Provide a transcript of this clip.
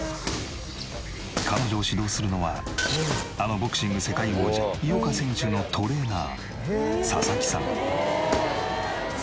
彼女を指導するのはあのボクシング世界王者井岡選手のトレーナー佐々木さん。